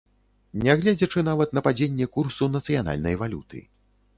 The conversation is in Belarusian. Нягледзячы нават на падзенне курсу нацыянальнай валюты.